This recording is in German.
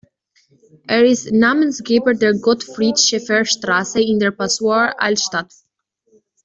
Er ist Namensgeber der Gottfried-Schäffer-Straße in der Passauer Altstadt.